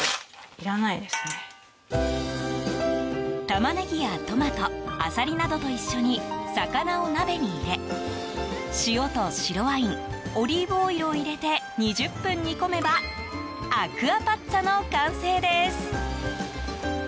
タマネギやトマトアサリなどと一緒に魚を鍋に入れ塩と白ワイン、オリーブオイルを入れて２０分煮込めばアクアパッツァの完成です。